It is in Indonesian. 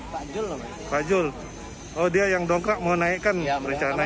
pak jul oh dia yang dongkrak mau naikkan perencanaan